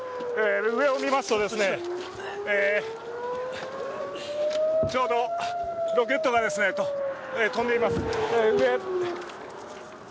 上を見ますと、ちょうどロケットが飛んでいます。